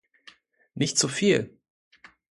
Nicht so viel!